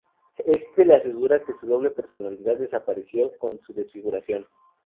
Este le asegura que su doble personalidad desapareció con su desfiguración.